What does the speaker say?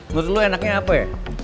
menurut lu enaknya apa ya